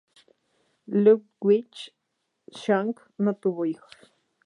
Ludwig Schunk no tuvo hijos.